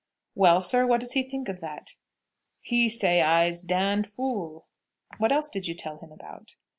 "Well, sir, what does he think of that?" "He say I'ze d d fool." "What else did you tell him about?"